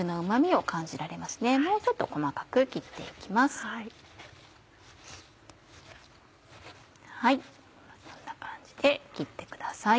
はいこんな感じで切ってください。